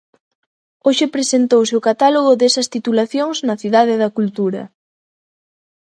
Hoxe presentouse o catálogo desas titulacións na Cidade da Cultura.